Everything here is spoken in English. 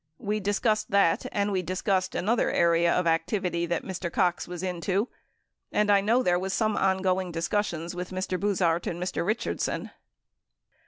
We discussed that and we discussed another area of activity that Mr. Cox was into and I know there was some ongoing discussions with Mr. Buzhardt and Mr. Eichardson.